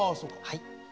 はい。